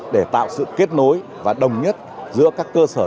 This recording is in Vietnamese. để tạo sự kết nối và đồng nhất giữa các trạm đăng kiểm